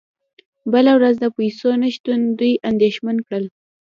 بله ورځ د پیسو نشتون دوی اندیښمن کړل